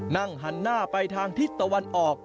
นั่งหันหน้าไปทางทิศตะวันออก